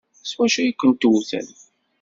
S wacu ay kent-wten?